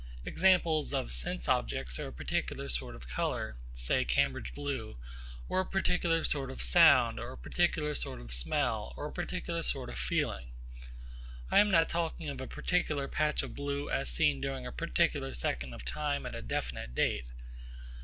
Examples of sense objects are a particular sort of colour, say Cambridge blue, or a particular sort of sound, or a particular sort of smell, or a particular sort of feeling. I am not talking of a particular patch of blue as seen during a particular second of time at a definite date.